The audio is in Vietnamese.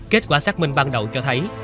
kết quả xác minh ban đầu cho thấy